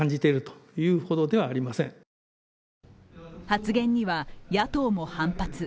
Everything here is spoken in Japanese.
発言には野党も反発。